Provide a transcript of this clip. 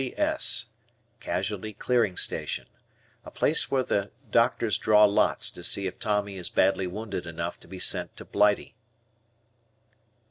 C.C.S. Casualty Clearing Station. A place where the doctors draw lots to see if Tommy is badly wounded enough to be sent to Blighty.